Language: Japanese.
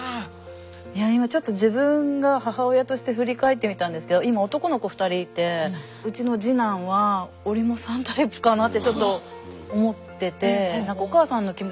今ちょっと自分が母親として振り返ってみたんですけど今男の子２人いてうちの次男は折茂さんタイプかなってちょっと思ってて。